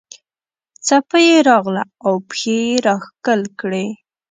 څپه یې راغله او پښې یې راښکل کړې.